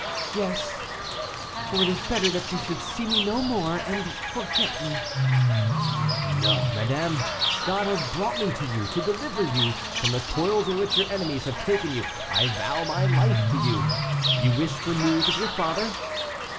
"Yes, for it is better that you should see me no more, and forget me." "No, madame; God has brought me to you, to deliver you from the toils in which your enemies have taken you. I vow my life to you. You wish for news of your father?"